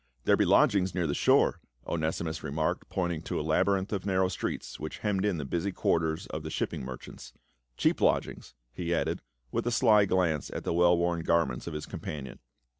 " There be lodgings near the shore," Onesimus remarked, pointing to a labyrinth of narrow streets which hemmed in the busy quarters of the shipping merchants, " cheap lodgings," he added, with a sly glance at the well worn garments of his companion.